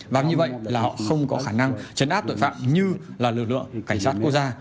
và như vậy là họ không có khả năng chấn áp tội phạm như là lực lượng cảnh sát quốc gia